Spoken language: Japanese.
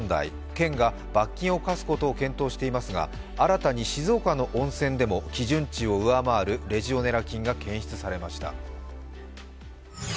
県が罰金を科すことを検討していますが、新たに静岡の温泉でも基準値を上回るレジオネラ菌が検出されました。